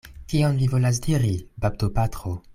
Kion vi volas diri, baptopatro?